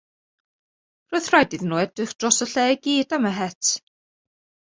Roedd rhaid iddyn nhw edrych dros y lle i gyd am yr het.